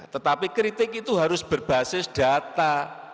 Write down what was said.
tetapi kritik itu harus berbasis data